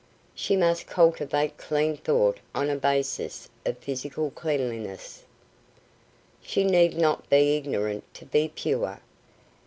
_ She must cultivate clean thought on a basis of physical cleanliness. She need not be ignorant to be pure.